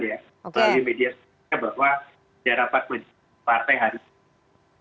di media bahwa ada rapat majelis tinggi partai hari ini